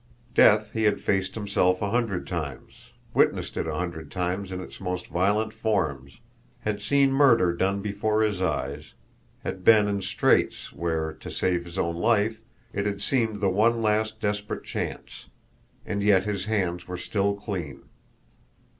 Death he had faced himself a hundred times, witnessed it a hundred times in its most violent forms, had seen murder done before his eyes, had been in straits where, to save his own life, it had seemed the one last desperate chance and yet his hands were still clean!